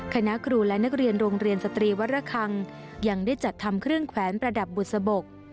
คณะครูและนักเรียนโรงเรียนสตรีวัตรคังยังได้จัดทำเครื่องแขวนประดับบุษบก